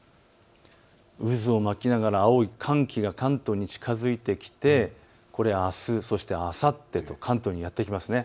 渦を巻きながら青い寒気が関東に近づいてきてこれ、あす、あさってと関東にやって来ます。